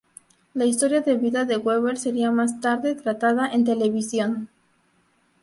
La historia de vida de Webber sería más tarde tratada en televisión.